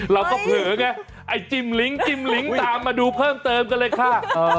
เผลอไงไอ้จิ้มลิ้งจิ้มลิ้งตามมาดูเพิ่มเติมกันเลยค่ะ